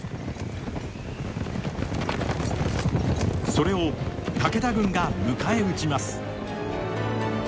それを武田軍が迎え撃ちます。